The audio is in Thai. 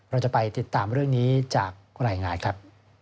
เราจะไปติดตามเรื่องนี้จากรายงานครับ